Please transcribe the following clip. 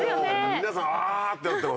皆さんあってなってますよ。